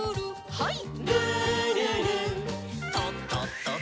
はい。